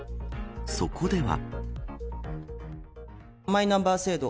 そこでは。